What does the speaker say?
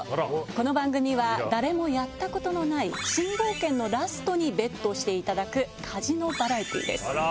この番組は誰もやったことのない新冒険のラストにＢＥＴしていただくカジノバラエティーです。